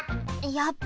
やっぱり！